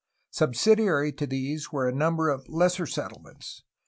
Subsidiary to these were a number of lesser set tlements.